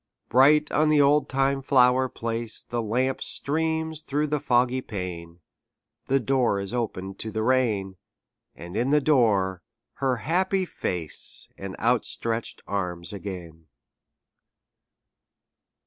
Bright on the oldtime flower place The lamp streams through the foggy pane; The door is opened to the rain: And in the door her happy face And outstretched arms again.